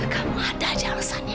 kamu ada aja alasannya